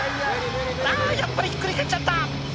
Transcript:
「あやっぱりひっくり返っちゃった！」